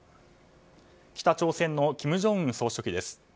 北朝鮮の金正恩総書記です。